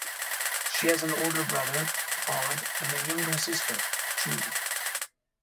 She has an older brother, Todd, and a younger sister, Julie.